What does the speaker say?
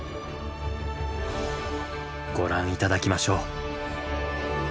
ご覧頂きましょう。